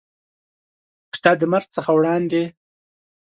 ستا د مرګ څخه وړاندې